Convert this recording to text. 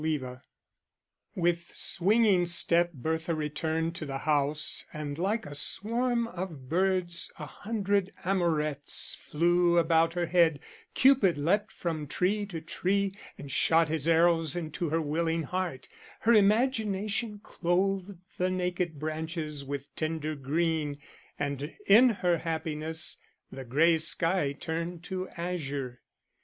Chapter II With swinging step Bertha returned to the house, and like a swarm of birds a hundred amorets flew about her head; Cupid leapt from tree to tree and shot his arrows into her willing heart; her imagination clothed the naked branches with tender green, and in her happiness the gray sky turned to azure....